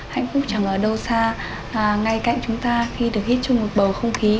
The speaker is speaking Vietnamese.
hạnh phúc chẳng ở đâu xa ngay cạnh chúng ta khi được hít chung một bầu không khí